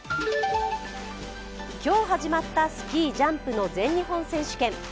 今日始まったスキージャンプの全日本選手権。